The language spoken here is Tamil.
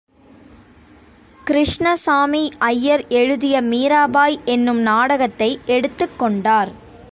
கிருஷ்ணசாமி ஐயர் எழுதிய மீராபாய் என்னும் நாடகத்தை எடுத்துக்கொண்டார்.